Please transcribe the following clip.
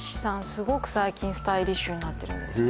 すごく最近スタイリッシュになってるんですね